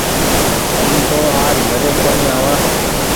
هم تو آج گهري ڪونيٚ آوآن ۔